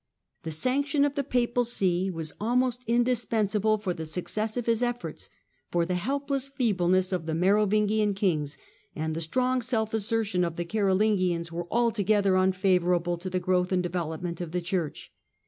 The sanc tion of the Papal See was almost indispensable for the success of his efforts ; for the helpless feebleness of the Merovingian kings and the strong self assertion of the Carolingians were altogether unfavourable to the growth and development of the Church."